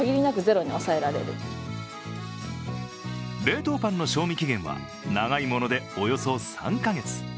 冷凍パンの賞味期限は長いものでおよそ３カ月。